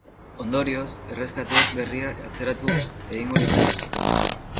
Ondorioz, erreskate berria atzeratu egingo litzateke.